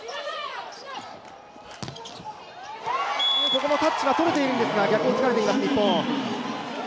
ここもタッチはとれているんですが逆を突かれています、日本。